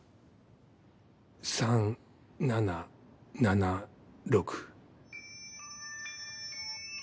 ３７７６。